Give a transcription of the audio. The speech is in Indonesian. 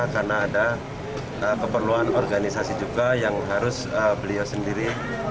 karena ada keperluan organisasi juga yang harus beliau sendiri